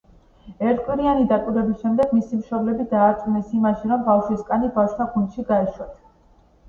ერთკვირიანი დაკვირვების შემდეგ, მისი მშობლები დაარწმუნეს იმაში, რომ ბავშვი კანის ბავშთა გუნდში გაეშვათ.